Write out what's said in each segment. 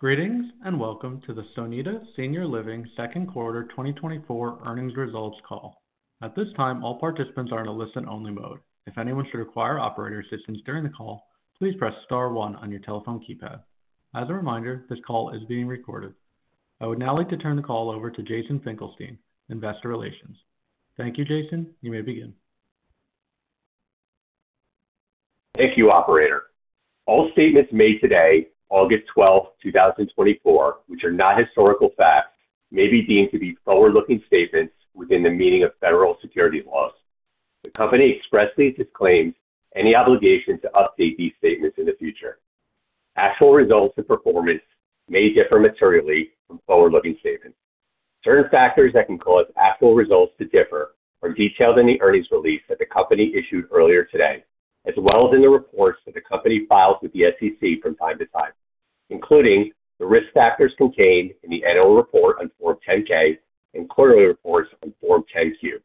Greetings, and welcome to the Sonida Senior Living second quarter 2024 earnings results call. At this time, all participants are in a listen-only mode. If anyone should require operator assistance during the call, please press star one on your telephone keypad. As a reminder, this call is being recorded. I would now like to turn the call over to Jason Finkelstein, investor relations. Thank you, Jason. You may begin. Thank you, operator. All statements made today, August 12th, 2024, which are not historical facts, may be deemed to be forward-looking statements within the meaning of federal securities laws. The company expressly disclaims any obligation to update these statements in the future. Actual results and performance may differ materially from forward-looking statements. Certain factors that can cause actual results to differ are detailed in the earnings release that the company issued earlier today, as well as in the reports that the company files with the SEC from time to time, including the risk factors contained in the annual report on Form 10-K and quarterly reports on Form 10-Q.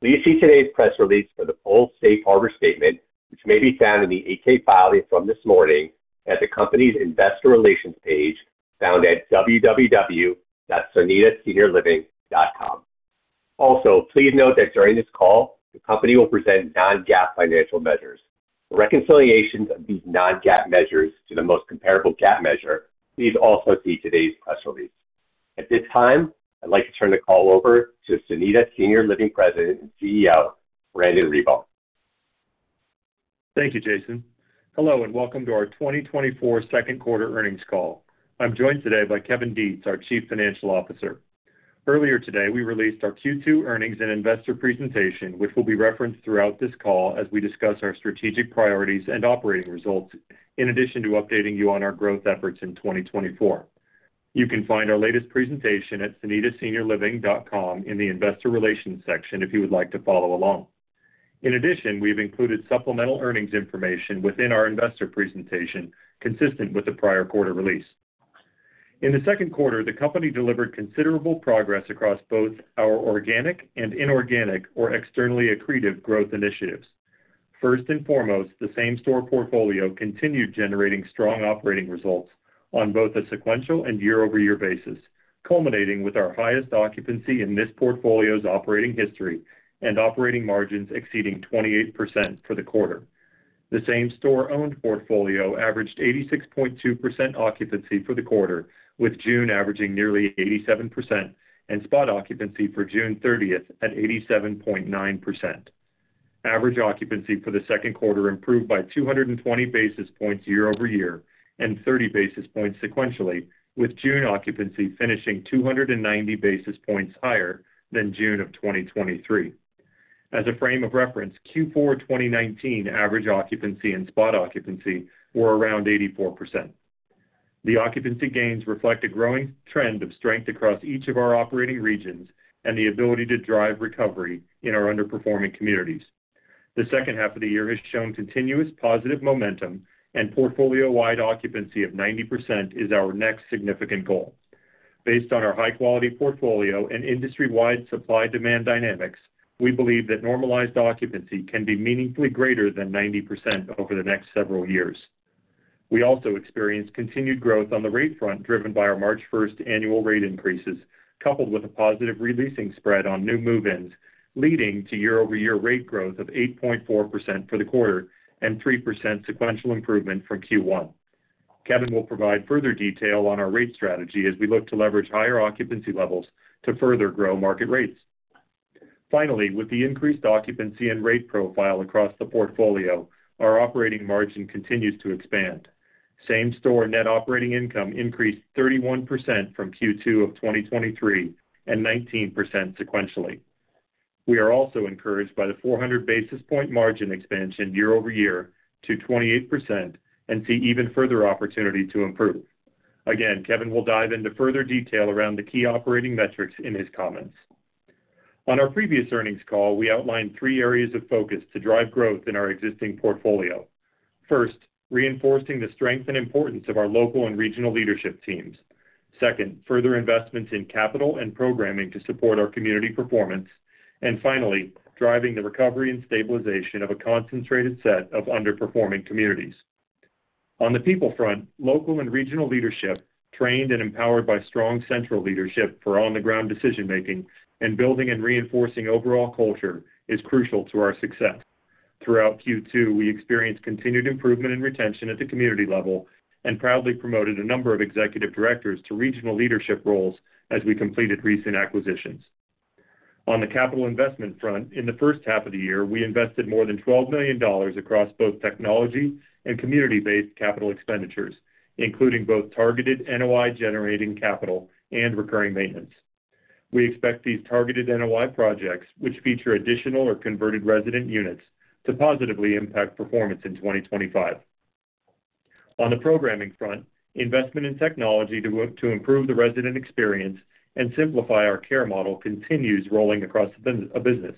Please see today's press release for the full Safe Harbor statement, which may be found in the 8-K filing from this morning at the company's investor relations page, found at www.sonidaseniorliving.com. Also, please note that during this call, the company will present non-GAAP financial measures. For reconciliations of these non-GAAP measures to the most comparable GAAP measure, please also see today's press release. At this time, I'd like to turn the call over to Sonida Senior Living President and CEO, Brandon Ribar. Thank you, Jason. Hello, and welcome to our 2024 second quarter earnings call. I'm joined today by Kevin Detz, our Chief Financial Officer. Earlier today, we released our Q2 earnings and investor presentation, which will be referenced throughout this call as we discuss our strategic priorities and operating results, in addition to updating you on our growth efforts in 2024. You can find our latest presentation at sonidaseniorliving.com in the investor relations section, if you would like to follow along. In addition, we've included supplemental earnings information within our investor presentation, consistent with the prior quarter release. In the second quarter, the company delivered considerable progress across both our organic and inorganic, or externally accretive, growth initiatives. First and foremost, the same-store portfolio continued generating strong operating results on both a sequential and year-over-year basis, culminating with our highest occupancy in this portfolio's operating history and operating margins exceeding 28% for the quarter. The same-store owned portfolio averaged 86.2% occupancy for the quarter, with June averaging nearly 87% and spot occupancy for June 30th at 87.9%. Average occupancy for the second quarter improved by 220 basis points year-over-year and 30 basis points sequentially, with June occupancy finishing 290 basis points higher than June of 2023. As a frame of reference, Q4 2019 average occupancy and spot occupancy were around 84%. The occupancy gains reflect a growing trend of strength across each of our operating regions and the ability to drive recovery in our underperforming communities. The second half of the year has shown continuous positive momentum, and portfolio-wide occupancy of 90% is our next significant goal. Based on our high-quality portfolio and industry-wide supply-demand dynamics, we believe that normalized occupancy can be meaningfully greater than 90% over the next several years. We also experienced continued growth on the rate front, driven by our March 1 annual rate increases, coupled with a positive re-leasing spread on new move-ins, leading to year-over-year rate growth of 8.4% for the quarter and 3% sequential improvement from Q1. Kevin will provide further detail on our rate strategy as we look to leverage higher occupancy levels to further grow market rates. Finally, with the increased occupancy and rate profile across the portfolio, our operating margin continues to expand. Same-store net operating income increased 31% from Q2 of 2023, and 19% sequentially. We are also encouraged by the 400 basis points margin expansion year-over-year to 28% and see even further opportunity to improve. Again, Kevin will dive into further detail around the key operating metrics in his comments. On our previous earnings call, we outlined three areas of focus to drive growth in our existing portfolio. First, reinforcing the strength and importance of our local and regional leadership teams. Second, further investments in capital and programming to support our community performance. And finally, driving the recovery and stabilization of a concentrated set of underperforming communities. On the people front, local and regional leadership, trained and empowered by strong central leadership for on-the-ground decision-making and building and reinforcing overall culture, is crucial to our success. Throughout Q2, we experienced continued improvement in retention at the community level and proudly promoted a number of executive directors to regional leadership roles as we completed recent acquisitions. On the capital investment front, in the first half of the year, we invested more than $12 million across both technology and community-based capital expenditures, including both targeted NOI-generating capital and recurring maintenance. We expect these targeted NOI projects, which feature additional or converted resident units, to positively impact performance in 2025. On the programming front, investment in technology to improve the resident experience and simplify our care model continues rolling across the business.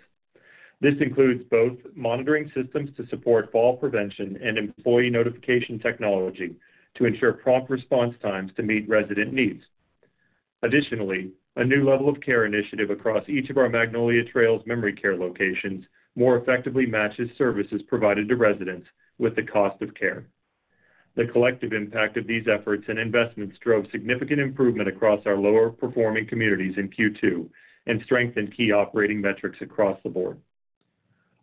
This includes both monitoring systems to support fall prevention and employee notification technology to ensure prompt response times to meet resident needs. Additionally, a new level of care initiative across each of our Magnolia Trails memory care locations more effectively matches services provided to residents with the cost of care. The collective impact of these efforts and investments drove significant improvement across our lower-performing communities in Q2, and strengthened key operating metrics across the board.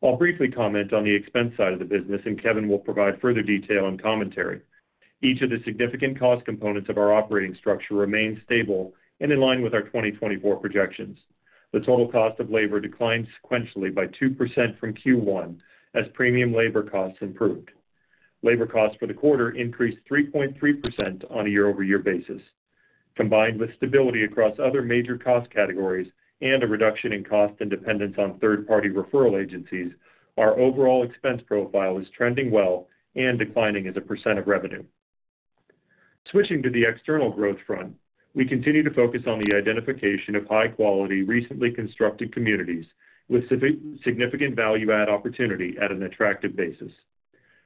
I'll briefly comment on the expense side of the business, and Kevin will provide further detail and commentary. Each of the significant cost components of our operating structure remains stable and in line with our 2024 projections. The total cost of labor declined sequentially by 2% from Q1, as premium labor costs improved. Labor costs for the quarter increased 3.3% on a year-over-year basis. Combined with stability across other major cost categories and a reduction in cost and dependence on third-party referral agencies, our overall expense profile is trending well and declining as a percent of revenue. Switching to the external growth front, we continue to focus on the identification of high quality, recently constructed communities with significant value add opportunity at an attractive basis.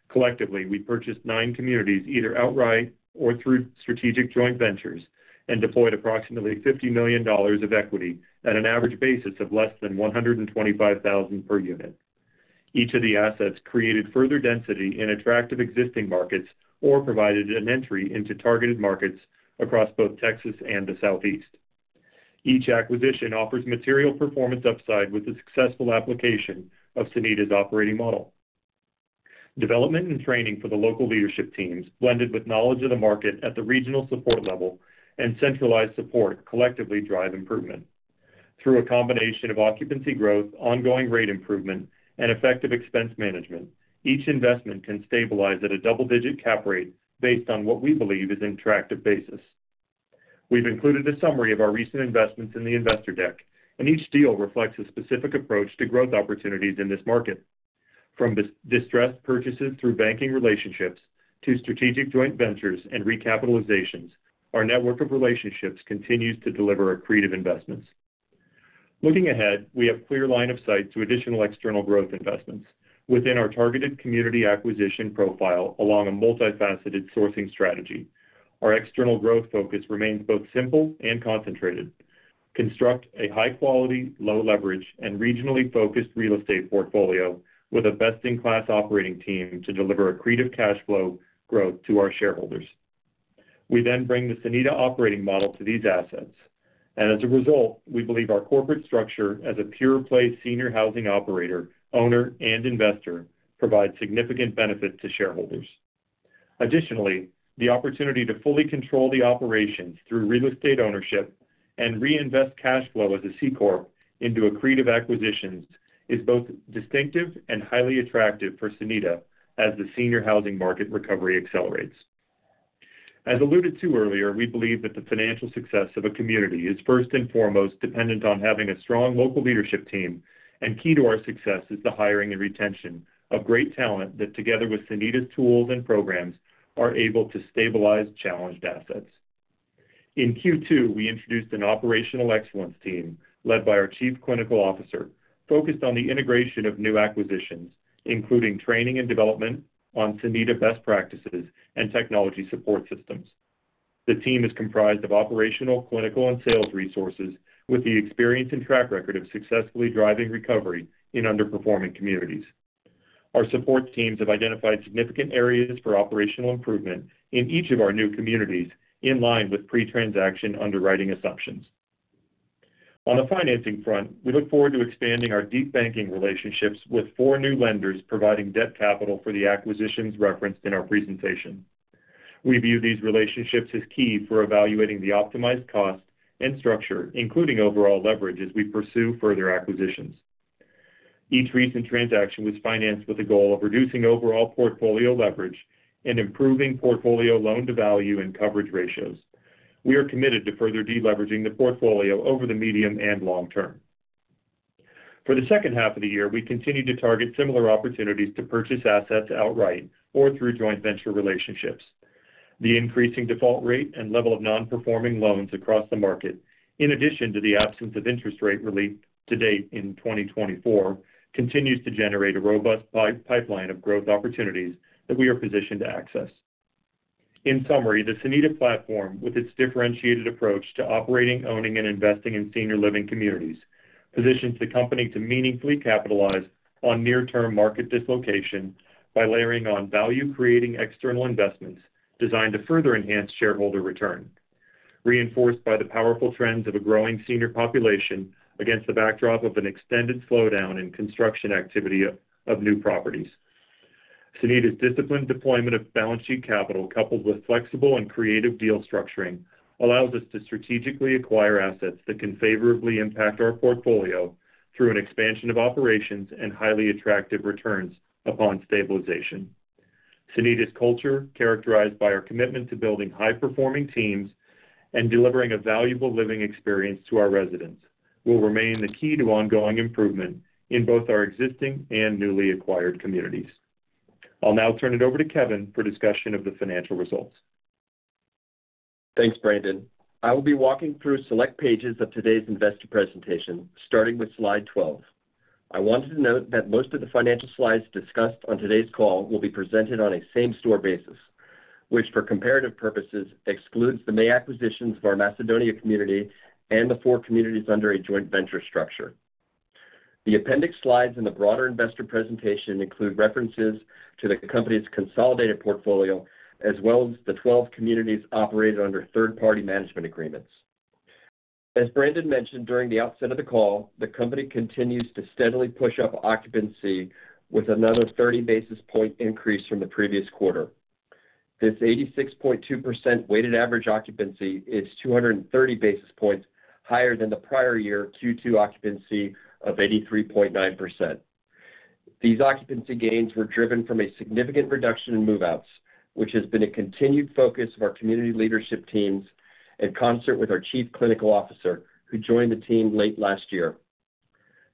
Collectively, we purchased nine communities, either outright or through strategic joint ventures, and deployed approximately $50 million of equity at an average basis of less than $125,000 per unit. Each of the assets created further density in attractive existing markets or provided an entry into targeted markets across both Texas and the Southeast. Each acquisition offers material performance upside with the successful application of Sonida's operating model. Development and training for the local leadership teams, blended with knowledge of the market at the regional support level and centralized support, collectively drive improvement. Through a combination of occupancy growth, ongoing rate improvement, and effective expense management, each investment can stabilize at a double-digit cap rate based on what we believe is an attractive basis. We've included a summary of our recent investments in the investor deck, and each deal reflects a specific approach to growth opportunities in this market. From distressed purchases through banking relationships to strategic joint ventures and recapitalizations, our network of relationships continues to deliver accretive investments. Looking ahead, we have clear line of sight to additional external growth investments. Within our targeted community acquisition profile, along a multifaceted sourcing strategy, our external growth focus remains both simple and concentrated. Construct a high quality, low leverage, and regionally focused real estate portfolio with a best-in-class operating team to deliver accretive cash flow growth to our shareholders. We then bring the Sonida operating model to these assets. As a result, we believe our corporate structure as a pure play, senior housing operator, owner, and investor, provides significant benefit to shareholders. Additionally, the opportunity to fully control the operations through real estate ownership and reinvest cash flow as a C Corp into accretive acquisitions is both distinctive and highly attractive for Sonida as the senior housing market recovery accelerates. As alluded to earlier, we believe that the financial success of a community is first and foremost dependent on having a strong local leadership team, and key to our success is the hiring and retention of great talent that, together with Sonida's tools and programs, are able to stabilize challenged assets. In Q2, we introduced an operational excellence team, led by our Chief Clinical Officer, focused on the integration of new acquisitions, including training and development on Sonida best practices and technology support systems. The team is comprised of operational, clinical, and sales resources, with the experience and track record of successfully driving recovery in underperforming communities. Our support teams have identified significant areas for operational improvement in each of our new communities, in line with pre-transaction underwriting assumptions. On the financing front, we look forward to expanding our deep banking relationships with four new lenders, providing debt capital for the acquisitions referenced in our presentation. We view these relationships as key for evaluating the optimized cost and structure, including overall leverage, as we pursue further acquisitions. Each recent transaction was financed with the goal of reducing overall portfolio leverage and improving portfolio loan-to-value and coverage ratios. We are committed to further deleveraging the portfolio over the medium and long term. For the second half of the year, we continue to target similar opportunities to purchase assets outright or through joint venture relationships. The increasing default rate and level of non-performing loans across the market, in addition to the absence of interest rate relief to date in 2024, continues to generate a robust pipeline of growth opportunities that we are positioned to access. In summary, the Sonida platform, with its differentiated approach to operating, owning, and investing in senior living communities, positions the company to meaningfully capitalize on near-term market dislocation by layering on value-creating external investments designed to further enhance shareholder return, reinforced by the powerful trends of a growing senior population against the backdrop of an extended slowdown in construction activity of new properties. Sonida's disciplined deployment of balance sheet capital, coupled with flexible and creative deal structuring, allows us to strategically acquire assets that can favorably impact our portfolio through an expansion of operations and highly attractive returns upon stabilization. Sonida's culture, characterized by our commitment to building high-performing teams and delivering a valuable living experience to our residents, will remain the key to ongoing improvement in both our existing and newly acquired communities. I'll now turn it over to Kevin for discussion of the financial results. Thanks, Brandon. I will be walking through select pages of today's investor presentation, starting with Slide 12. I wanted to note that most of the financial slides discussed on today's call will be presented on a same-store basis, which, for comparative purposes, excludes the May acquisitions of our Macedonia community and the four communities under a joint venture structure. The appendix slides in the broader investor presentation include references to the company's consolidated portfolio, as well as the 12 communities operated under third-party management agreements. As Brandon mentioned during the outset of the call, the company continues to steadily push up occupancy with another 30 basis point increase from the previous quarter. This 86.2% weighted average occupancy is 230 basis points higher than the prior year Q2 occupancy of 83.9%. These occupancy gains were driven from a significant reduction in move-outs, which has been a continued focus of our community leadership teams in concert with our Chief Clinical Officer, who joined the team late last year.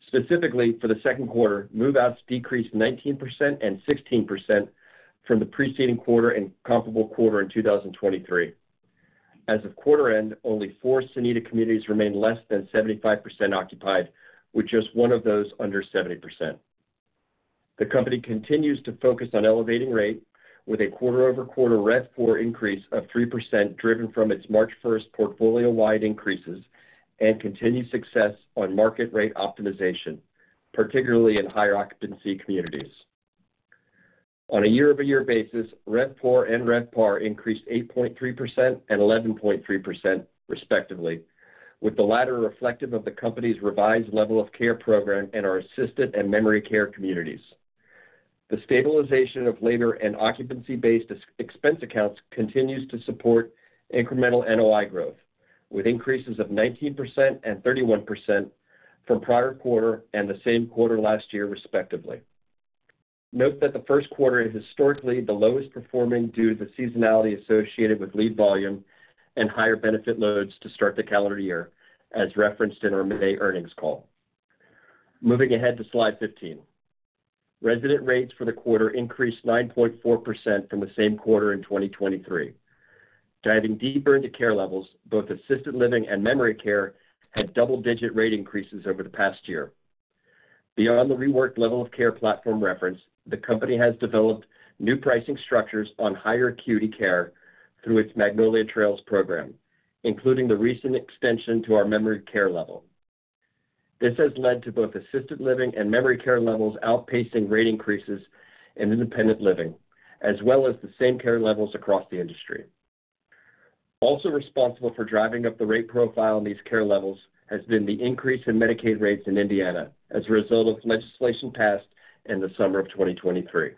Specifically, for the second quarter, move-outs decreased 19% and 16% from the preceding quarter and comparable quarter in 2023. As of quarter end, only four Sonida communities remain less than 75% occupied, with just one of those under 70%. The company continues to focus on elevating rate with a quarter-over-quarter RevPOR increase of 3%, driven from its March 1 portfolio-wide increases and continued success on market rate optimization, particularly in higher occupancy communities. On a year-over-year basis, RevPOR and RevPAR increased 8.3% and 11.3%, respectively, with the latter reflective of the company's revised level of care program in our assisted and memory care communities. The stabilization of labor and occupancy-based expense accounts continues to support incremental NOI growth, with increases of 19% and 31% from prior quarter and the same quarter last year, respectively. Note that the first quarter is historically the lowest performing due to the seasonality associated with lead volume and higher benefit loads to start the calendar year, as referenced in our May earnings call. Moving ahead to Slide 15. Resident rates for the quarter increased 9.4% from the same quarter in 2023. Diving deeper into care levels, both assisted living and memory care had double-digit rate increases over the past year. Beyond the reworked level of care platform reference, the company has developed new pricing structures on higher acuity care through its Magnolia Trails program, including the recent extension to our memory care level. This has led to both assisted living and memory care levels outpacing rate increases in independent living, as well as the same care levels across the industry. Also responsible for driving up the rate profile in these care levels has been the increase in Medicaid rates in Indiana as a result of legislation passed in the summer of 2023.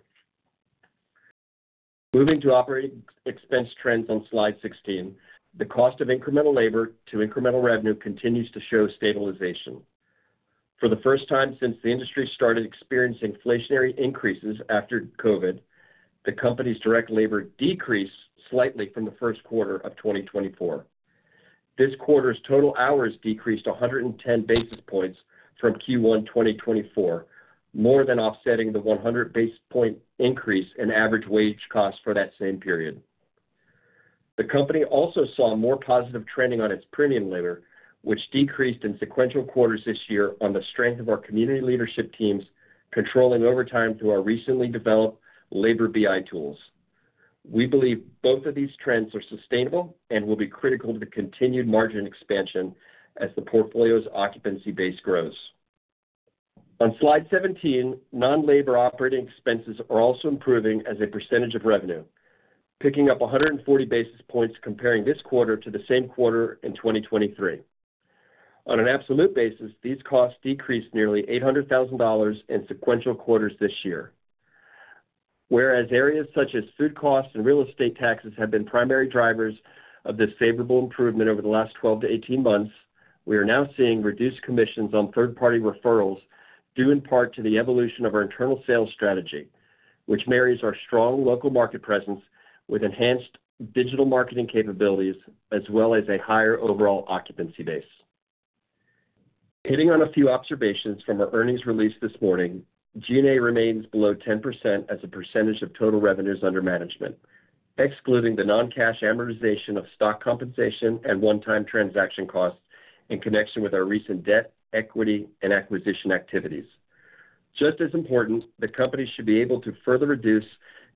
Moving to operating expense trends on Slide 16, the cost of incremental labor to incremental revenue continues to show stabilization. For the first time since the industry started experiencing inflationary increases after COVID, the company's direct labor decreased slightly from the first quarter of 2024. This quarter's total hours decreased 110 basis points from Q1 2024, more than offsetting the 100 basis point increase in average wage costs for that same period. The company also saw more positive trending on its premium labor, which decreased in sequential quarters this year on the strength of our community leadership teams, controlling overtime through our recently developed Labor BI tools. We believe both of these trends are sustainable and will be critical to continued margin expansion as the portfolio's occupancy base grows. On Slide 17, non-labor operating expenses are also improving as a percentage of revenue, picking up 140 basis points comparing this quarter to the same quarter in 2023. On an absolute basis, these costs decreased nearly $800,000 in sequential quarters this year. Whereas areas such as food costs and real estate taxes have been primary drivers of this favorable improvement over the last 12-18 months, we are now seeing reduced commissions on third-party referrals, due in part to the evolution of our internal sales strategy, which marries our strong local market presence with enhanced digital marketing capabilities, as well as a higher overall occupancy base. Hitting on a few observations from our earnings release this morning, G&A remains below 10% as a percentage of total revenues under management, excluding the non-cash amortization of stock compensation and one-time transaction costs in connection with our recent debt, equity, and acquisition activities. Just as important, the company should be able to further reduce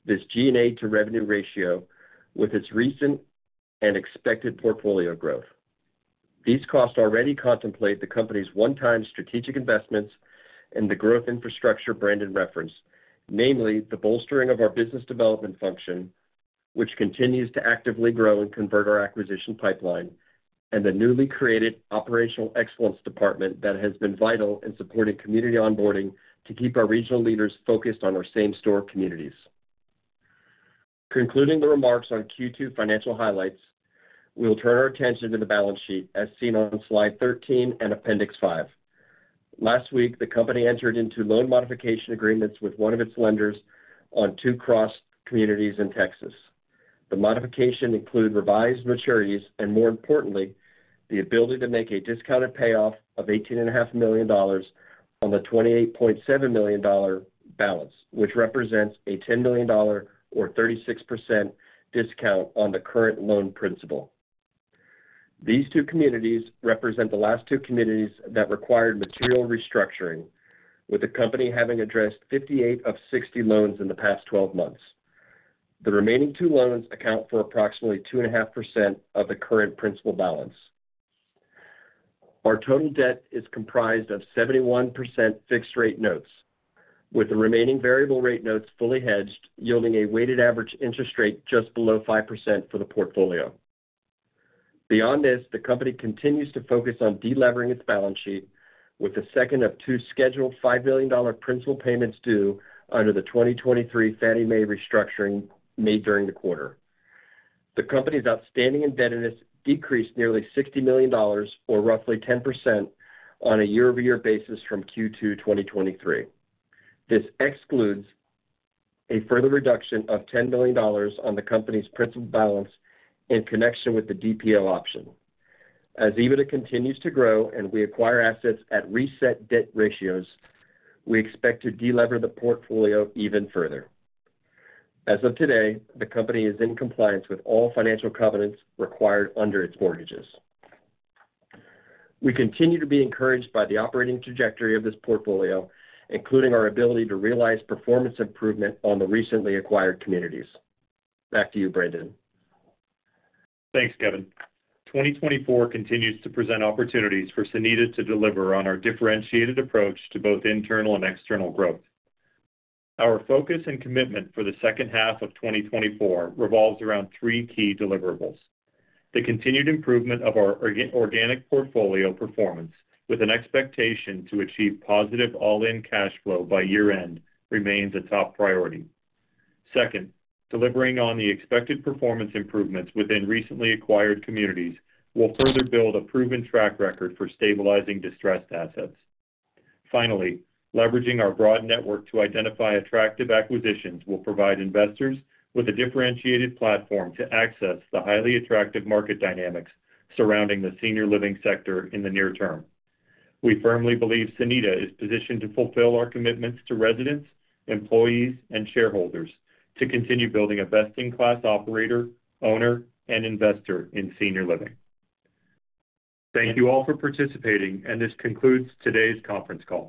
this G&A-to-revenue ratio with its recent and expected portfolio growth. These costs already contemplate the company's one-time strategic investments and the growth infrastructure Brandon referenced, namely, the bolstering of our business development function, which continues to actively grow and convert our acquisition pipeline, and the newly created operational excellence department that has been vital in supporting community onboarding to keep our regional leaders focused on our same-store communities. Concluding the remarks on Q2 financial highlights, we will turn our attention to the balance sheet, as seen on Slide 13 and Appendix 5. Last week, the company entered into loan modification agreements with one of its lenders on two crossed communities in Texas. The modifications include revised maturities and, more importantly, the ability to make a discounted payoff of $18.5 million on the $28.7 million balance, which represents a $10 million or 36% discount on the current loan principal.... These two communities represent the last two communities that required material restructuring, with the company having addressed 58 of 60 loans in the past 12 months. The remaining two loans account for approximately 2.5% of the current principal balance. Our total debt is comprised of 71% fixed-rate notes, with the remaining variable rate notes fully hedged, yielding a weighted average interest rate just below 5% for the portfolio. Beyond this, the company continues to focus on delevering its balance sheet, with the second of two scheduled $5 billion principal payments due under the 2023 Fannie Mae restructuring made during the quarter. The company's outstanding indebtedness decreased nearly $60 million, or roughly 10%, on a year-over-year basis from Q2 2023. This excludes a further reduction of $10 billion on the company's principal balance in connection with the DPO option. As EBITDA continues to grow and we acquire assets at reset debt ratios, we expect to delever the portfolio even further. As of today, the company is in compliance with all financial covenants required under its mortgages. We continue to be encouraged by the operating trajectory of this portfolio, including our ability to realize performance improvement on the recently acquired communities. Back to you, Brandon. Thanks, Kevin. 2024 continues to present opportunities for Sonida to deliver on our differentiated approach to both internal and external growth. Our focus and commitment for the second half of 2024 revolves around three key deliverables. The continued improvement of our organic portfolio performance, with an expectation to achieve positive all-in cash flow by year-end, remains a top priority. Second, delivering on the expected performance improvements within recently acquired communities will further build a proven track record for stabilizing distressed assets. Finally, leveraging our broad network to identify attractive acquisitions will provide investors with a differentiated platform to access the highly attractive market dynamics surrounding the senior living sector in the near term. We firmly believe Sonida is positioned to fulfill our commitments to residents, employees, and shareholders to continue building a best-in-class operator, owner, and investor in senior living. Thank you all for participating, and this concludes today's conference call.